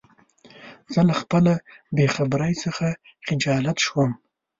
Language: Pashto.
زه له خپله بېخبری څخه خجالت شوم.